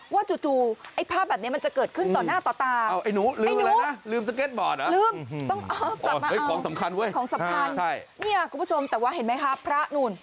ว่าจู่ไอ้ภาพอย่างนี้มันจะเกิดขึ้นต่อหน้าต่อตา